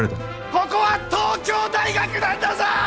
ここは東京大学なんだぞ！